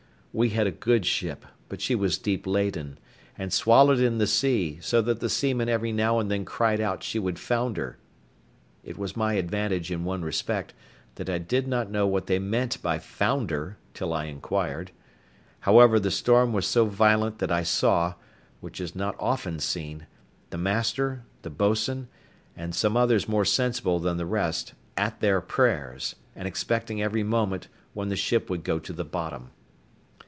We had a good ship, but she was deep laden, and wallowed in the sea, so that the seamen every now and then cried out she would founder. It was my advantage in one respect, that I did not know what they meant by founder till I inquired. However, the storm was so violent that I saw, what is not often seen, the master, the boatswain, and some others more sensible than the rest, at their prayers, and expecting every moment when the ship would go to the bottom.